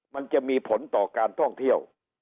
มันจะมีผลต่อการท่องเที่ยว